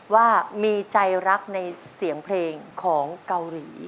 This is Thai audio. ว่ามีใจรักในเสียงเพลงของเกาหลี